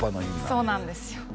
そうなんですよ